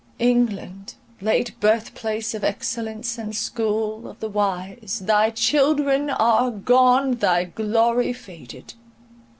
England, late birth place of excellence and school of the wise, thy children are gone, thy glory faded!